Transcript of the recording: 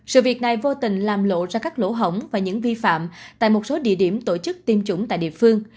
sự việc này vô tình làm lộ ra các lỗ hổng và những vi phạm tại một số địa điểm tổ chức tiêm chủng tại địa phương